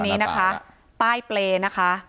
ที่มีข่าวเรื่องน้องหายตัว